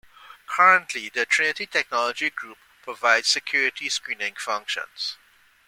Currently the Trinity Technology Group provides security screening functions.